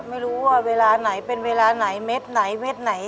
ไม่รู้ว่าเวลาไหนเป็นเวลาไหนเม็ดไหนเม็ดไหน